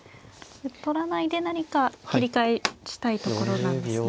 取らないで何か切り返したいところなんですね。